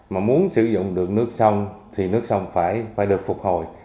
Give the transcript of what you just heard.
mà muốn sử dụng được nước sông thì nước sông phải được phục hồi